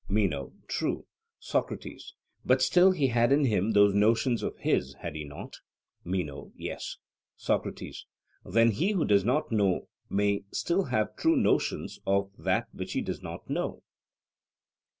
MENO: True. SOCRATES: But still he had in him those notions of his had he not? MENO: Yes. SOCRATES: Then he who does not know may still have true notions of that which he does not know?